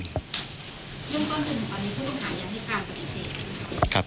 เบื้องต้นจนถึงตอนนี้ผู้ต้องหายังให้การปฏิเสธใช่ไหมครับ